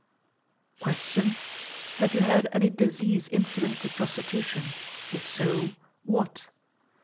Question. HAVE YOU HAD ANY DISEASE INCIDENT TO PROSTITUTION? IF SO, WHAT?